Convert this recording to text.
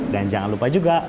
dan jangan lupa juga